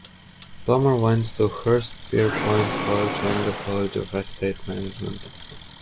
Plummer went to Hurstpierpoint College and the College of Estate Management.